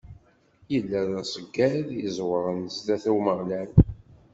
Illa d aṣeggad iẓewren zdat n Umeɣlal.